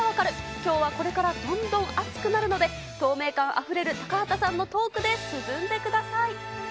きょうは、これからどんどん暑くなるので、透明感あふれる高畑さんのトークで涼んでください。